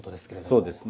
そうですね。